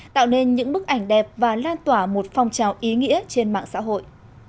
tạo nên những bức ảnh đẹp và lan tỏa một phong trào ý nghĩa trên mạng xã hội